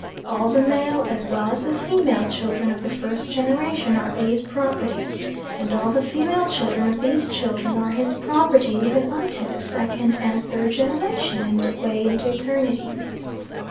All the male as well as the female children of the first generation are A.'s property, and all the female children of these children are his property even unto the second and third generation and away into eternity.